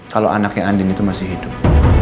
kalau anaknya andin itu masih hidup